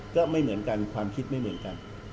ก็ไม่เหมือนกันความคิดไม่เหมือนกัน